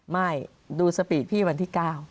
ไม่ดูสปีดพี่วันที่๙